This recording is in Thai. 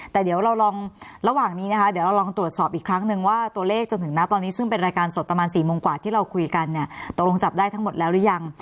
แต่เดี๋ยวเราลองระหว่างนี้นะคะเดี๋ยวเราลองตรวจสอบอีกครั้งนึงว่าตัวเลขจนถึงนะตอนนี้ซึ่งเป็นรายการสดประมาณ๔โมงกว่าที่เราคุยกันเนี่ยตกลงจับได้ทั้งหมดแล้วหรือยัง